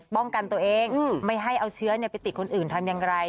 ป้องกันตัวเองไม่ให้เอาเชื้อไปติดคนอื่นทำอย่างไร